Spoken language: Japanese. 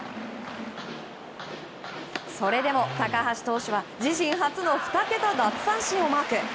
それでも高橋投手は自身初の２桁奪三振をマーク。